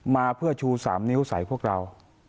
มาเพื่อชู๓นิ้วใส่พวกเรา